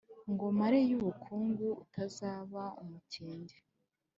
Ngo mareyo ubukunguUtazaba umutindi